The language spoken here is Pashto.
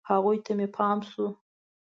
هغوی ته مې پام شو.